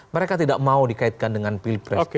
mereka tidak mau dikaitkan dengan pilpres